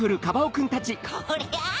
こりゃあ！